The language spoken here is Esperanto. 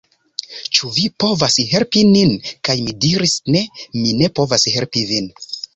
Ĉu vi povas helpi nin?" kaj mi diris: "Ne, mi ne povas helpi vin!